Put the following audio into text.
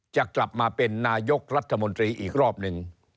จะกลับมาเป็นนายกรัฐมนตรีอีกรอบหนึ่ง